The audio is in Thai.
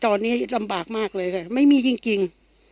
ตอนนี้ลำบากมากเลยค่ะไม่มีจริง